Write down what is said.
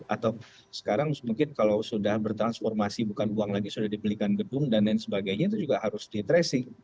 atau sekarang mungkin kalau sudah bertransformasi bukan uang lagi sudah dibelikan gedung dan lain sebagainya itu juga harus di tracing